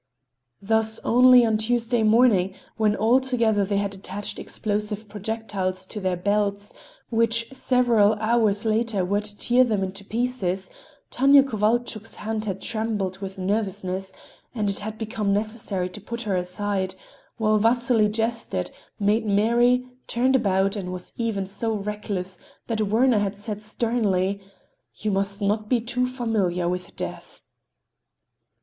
Thus, only on Tuesday morning, when all together they had attached explosive projectiles to their belts, which several hours later were to tear them into pieces, Tanya Kovalchuk's hands had trembled with nervousness, and it had become necessary to put her aside, while Vasily jested, made merry, turned about, and was even so reckless that Werner had said sternly: "You must not be too familiar with Death."